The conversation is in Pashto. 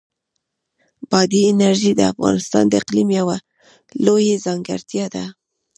بادي انرژي د افغانستان د اقلیم یوه لویه ځانګړتیا ده.